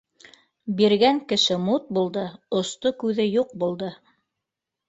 — Биргән кеше мут булды, осто күҙе юҡ булды